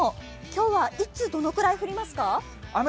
今日はいつ、どのくらい降りますか？